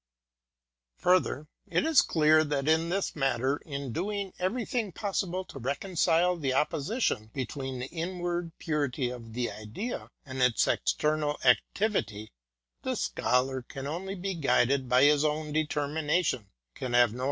Further, it is clear that in this matter in doing every thing possible to reconcile the opposition between the inward purity of the Idea and its external activity the Scholar can only be guided by his own determination, can have no 180 LECTUEE VI.